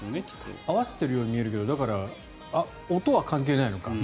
合わせてるように見えるけどだから、音は関係ないのか。